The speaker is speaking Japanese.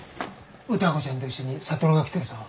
歌子ちゃんと一緒に智が来てるぞ。